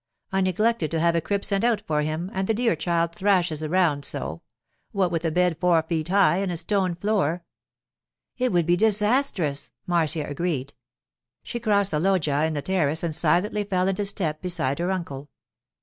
I neglected to have a crib sent out for him, and the dear child thrashes around so—what with a bed four feet high and a stone floor——' 'It would be disastrous!' Marcia agreed. She crossed the loggia to the terrace and silently fell into step beside her uncle.